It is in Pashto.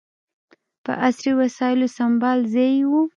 په عصري وسایلو سمبال ځای یې و.